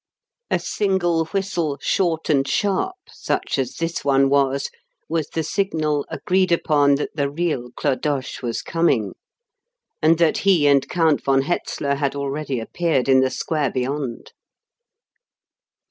A single whistle short and sharp, such as this one was was the signal agreed upon that the real Clodoche was coming, and that he and Count von Hetzler had already appeared in the square beyond.